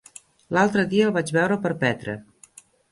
L'altre dia el vaig veure per Petra.